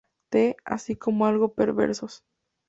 T, así como algo perversos.